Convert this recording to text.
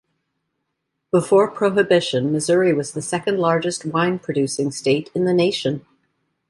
Before Prohibition, Missouri was the second-largest wine-producing state in the nation.